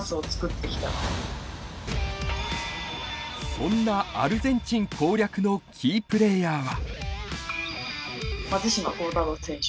そんなアルゼンチン攻略のキープレーヤーは？